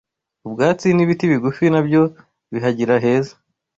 ubwatsi n’ibiti bigufi nabyo bihagira heza